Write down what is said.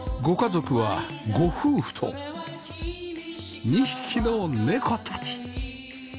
ご家族はご夫婦と２匹の猫たち